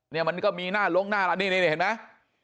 เนี่ยมันก็มีหน้าร้องหน้าร้านนี่เห็นไหม